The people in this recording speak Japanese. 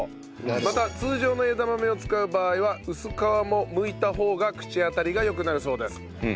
また通常の枝豆を使う場合は薄皮もむいた方が口当たりが良くなるそうです。